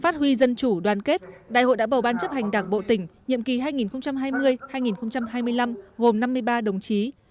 phát huy dân chủ đoàn kết đại hội đã bầu ban chấp hành đảng bộ tỉnh nhiệm kỳ hai nghìn hai mươi hai nghìn hai mươi năm gồm năm mươi ba đồng chí